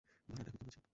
মারান এখন কেমন আছে?